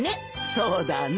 そうだね。